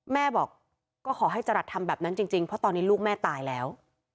แม่บอกก็ขอให้จรัสทำแบบนั้นจริงเพราะตอนนี้ลูกแม่ตายแล้ว